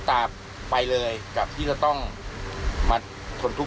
ต่อไปดีกว่าลูก